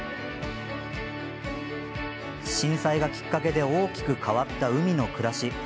震災がきっかけで大きく変わった海の暮らし。